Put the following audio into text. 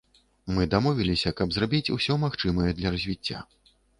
Мы дамовіліся, каб зрабіць усё магчымае для развіцця.